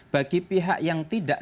bagi pihak yang tidak